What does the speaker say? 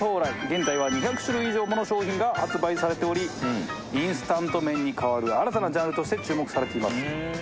現在は２００種類以上もの商品が発売されておりインスタント麺に代わる新たなジャンルとして注目されています。